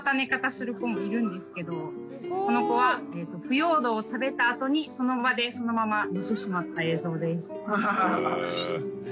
する子もいるんですけどこの子は腐葉土を食べたあとにその場でそのまま寝てしまった映像です。